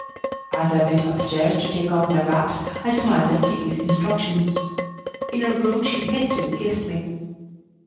As I went up stairs to take off my wraps I smiled at Kitty's instructions. In her room she hastily kissed me.